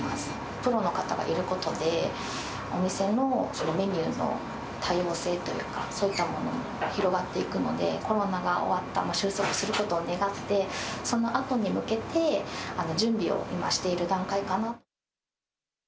プロの方がいることで、お店のメニューの多様性というか、そういったものが広がっていくので、コロナが終わった、収束することを願って、そのあとに向けて準備を今している段階かな。